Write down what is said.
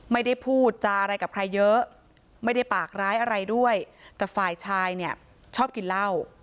ไม่ได้พูดจาอะไรกับใครเยอะไม่ได้ปากร้ายอะไรด้วยแต่ฝ่ายชายเนี่ยชอบกินเหล้า